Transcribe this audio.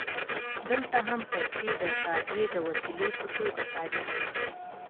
دلته هم پیسې د تادیې د وسیلې په توګه کارېږي